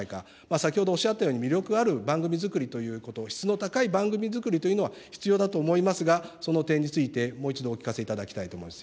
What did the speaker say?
先ほどおっしゃったように、魅力ある番組作りということ、質の高い番組作りというのは必要だと思いますが、その点についてもう一度お聞かせいただきたいと思います。